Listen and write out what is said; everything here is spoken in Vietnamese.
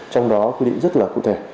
trong đó quy định rất là cụ thể